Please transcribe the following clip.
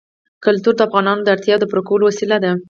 کلتور د افغانانو د اړتیاوو د پوره کولو وسیله ده.